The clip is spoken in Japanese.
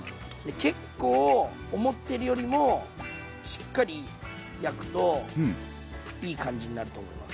結構思ってるよりもしっかり焼くといい感じになると思います。